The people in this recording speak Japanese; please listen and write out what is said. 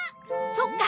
そっか！